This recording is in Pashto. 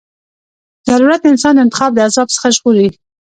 ضرورت انسان د انتخاب د عذاب څخه ژغوري.